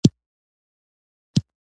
اعلیخضرت او قوماندان له دې امله خواشیني دي.